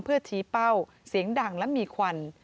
เพื่อชี้เป้าเสียงดังและมีควัน